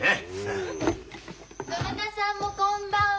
どなたさんもこんばんは。